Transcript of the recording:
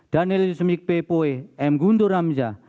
daniel yusmik p poe m guntur ramja